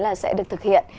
là sẽ được thực hiện